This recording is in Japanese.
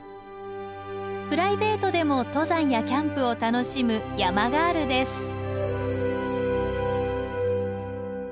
プライベートでも登山やキャンプを楽しむ山ガールです。